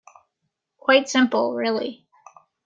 Quite simple, really.